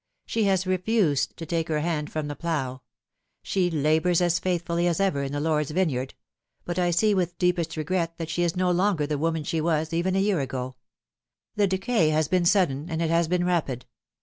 She has refused to take her hand from the plough ; she labours as faithfully as ever in the Lord's vine yard ; but I see with deepest regret that she is no longer the woman she was, even a year ago. The decay has been sudden, and it has been rapid.